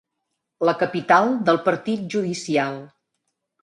La capital del partit judicial.